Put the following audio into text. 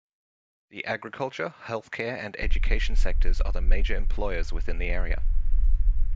The agriculture, healthcare and education sectors are the major employers within the area.